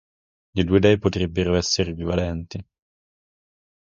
Le due dee potrebbero essere equivalenti.